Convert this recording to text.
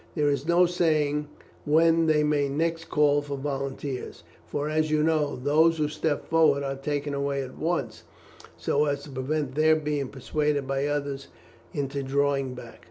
There is no saying when they may next call for volunteers; for, as you know, those who step forward are taken away at once, so as to prevent their being persuaded by the others into drawing back."